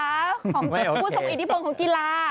ของผู้ทรงอิทธิพลของกีฬา